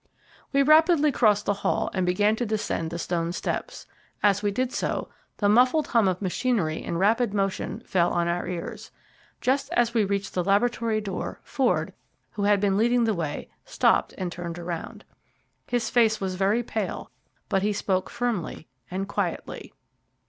We rapidly crossed the hall and began to descend the stone steps. As we did so the muffled hum of machinery in rapid motion fell on our ears. Just as we reached the laboratory door Ford, who had been leading the way, stopped and turned round. His face was very pale, but he spoke firmly and quietly.